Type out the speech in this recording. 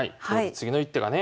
次の一手がね